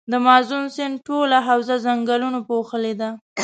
د مازون سیند ټوله حوزه ځنګلونو پوښلي ده.